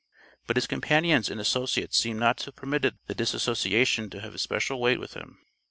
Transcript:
But his companions and associates seem not to have permitted the dissociation to have had special weight with them.